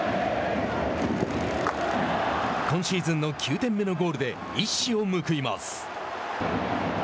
今シーズンの９点目のゴールで一矢を報います。